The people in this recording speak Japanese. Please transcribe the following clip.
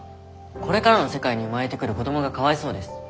これからの世界に生まれてくる子どもがかわいそうです。